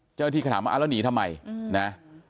เจ้าหน้าที่ก็ถามว่าแล้วหนีทำไมนะ